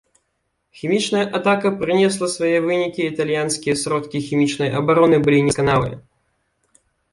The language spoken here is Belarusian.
Хімічная атака прынесла свае вынікі, італьянскія сродкі хімічнай абароны былі недасканалыя.